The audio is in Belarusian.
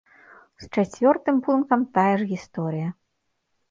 З чацвёртым пунктам тая ж гісторыя.